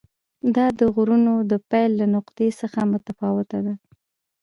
دا د غرونو د پیل له نقطې څخه متفاوته ده.